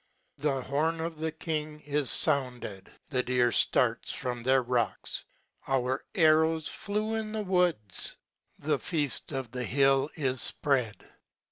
The horn of the king is founded; the deer ftarts from their rocks. Our arrows flew in the woods. The feaft of the hill is fpread.